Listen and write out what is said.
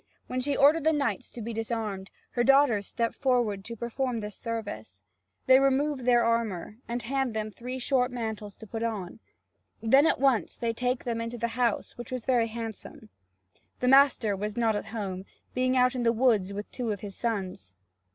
When she ordered the knights to be disarmed, her daughters step forward to perform this service. They remove their armour, and hand them three short mantles to put on. Then at once they take them into the house which was very handsome. The master was not at home, being out in the woods with two of his sons.